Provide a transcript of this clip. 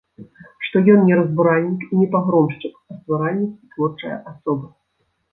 Што ён не разбуральнік і пагромшчык, а стваральнік і творчая асоба.